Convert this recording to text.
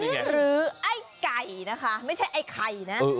หรือไอ้ไก่นะคะไม่ใช่ไอ้ไข่นะ